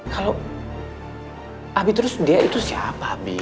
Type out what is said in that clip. kalau abi terus dia itu siapa